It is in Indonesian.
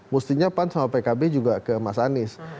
mestinya pan sama pkb juga ke mas anies